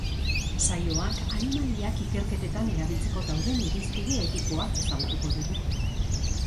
Saioak animaliak ikerketetan erabiltzeko dauden irizpide etikoak ezagutuko ditu.